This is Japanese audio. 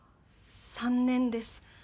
３年です。